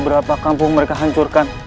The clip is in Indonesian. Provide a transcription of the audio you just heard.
berapa kampung mereka hancurkan